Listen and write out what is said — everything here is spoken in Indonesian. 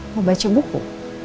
mau baca buku